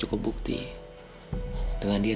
allah tak tahu apapun edavid